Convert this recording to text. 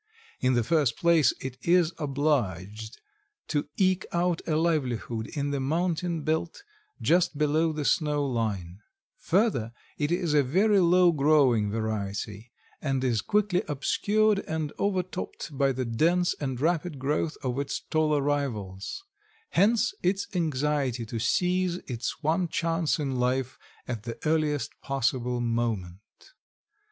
In the first place, it is obliged to eke out a livelihood in the mountain belt just below the snow line; further, it is a very low growing variety, and is quickly obscured and overtopped by the dense and rapid growth of its taller rivals; hence its anxiety to seize its one chance in life at the earliest possible moment.